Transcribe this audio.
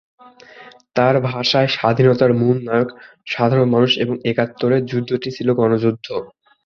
তাঁর ভাষায়, স্বাধীনতার মূল নায়ক সাধারণ মানুষ এবং একাত্তরের যুদ্ধটি ছিল গণযুদ্ধ।